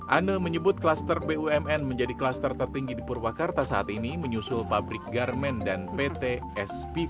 ane menyebut klaster bumn menjadi kluster tertinggi di purwakarta saat ini menyusul pabrik garmen dan pt spv